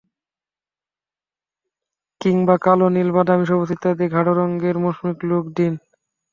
কিংবা কালো, নীল, বাদামি, সবুজ ইত্যাদি গাঢ় রঙের স্মোকি লুক দিন।